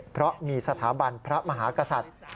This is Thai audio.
เพราะมีสถาบันพระมหากษัตริย์